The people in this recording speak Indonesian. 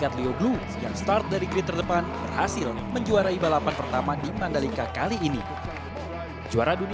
akhirnya kami menang race tapi race ini tidak berakhir karena kami memiliki dua race lagi